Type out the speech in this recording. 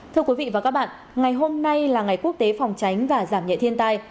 thưa quý vị và các bạn ngày hôm nay là ngày quốc tế phòng tránh và giảm nhẹ thiên tai